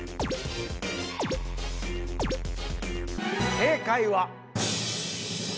正解は。